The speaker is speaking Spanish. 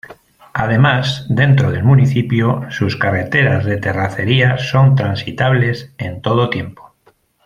Además, dentro del municipio, sus carreteras de terracería son transitables en todo tiempo.